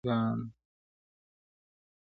• څوک ابدال یو څوک اوتاد څوک نقیبان یو -